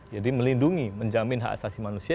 jadi melindungi menjamin hak asasi manusia